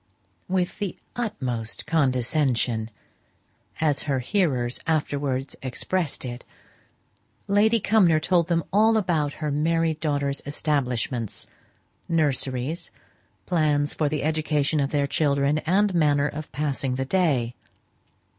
"With the utmost condescension," as her hearers afterwards expressed it, Lady Cumnor told them all about her married daughters' establishments, nurseries, plans for the education of their children, and manner of passing the day.